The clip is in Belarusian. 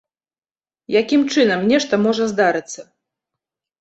Якім чынам нешта можа здарыцца?